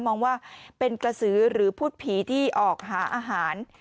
มองว่าเป็นกระสือหรือพูดผีที่ออกหาอาหาร